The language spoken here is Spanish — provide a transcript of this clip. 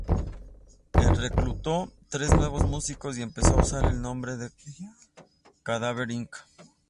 El reclutó tres nuevos músicos, y empezó a usar el nombre de Cadáver Inc.